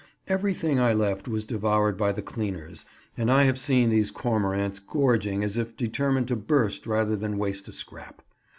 Everything I left was devoured by the cleaners, and I have seen these cormorants gorging as if determined to burst rather than waste a scrap.